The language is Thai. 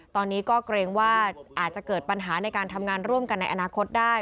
ตอนนี้ก็เกรงว่าอาจจะเกิดปัญหาในการทำงานร่วมกันในอนาคตได้